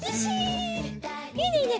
いいねいいね！